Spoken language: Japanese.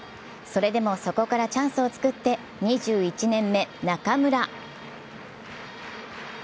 それでもそこからチャンスを作って２１年目・中村。